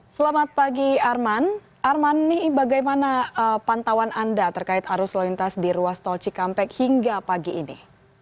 selamat pagi arman arman bagaimana pantauan anda terkait arus lalu lintas di ruas tol cikampek hingga pagi ini